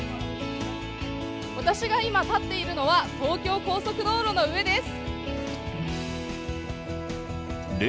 私が今、立っているのは東京高速道路の上です。